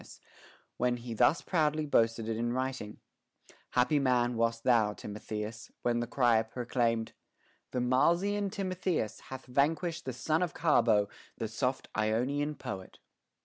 307 Phrynis, when he thus proudly boasted it in writing : Hap py man wast thou, Timotheus, when the crier proclaimed, ' The Milesian Timotheus hath vanquished the son of Carbo, the soft Ionian poet.'